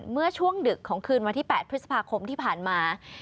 เมื่อช่วงดึกของคืนวันที่๘พฤษภาคมที่ผ่านมา